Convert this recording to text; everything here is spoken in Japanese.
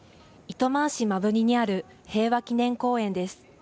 糸満市摩文仁にある平和祈念公園です。